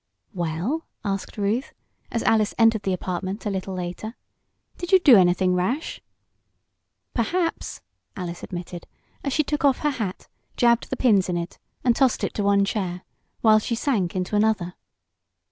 "Well?" asked Ruth, as Alice entered the apartment a little later, "did you do anything rash?" "Perhaps!" Alice admitted, as she took off her hat, jabbed the pins in it and tossed it to one chair, while she sank into another.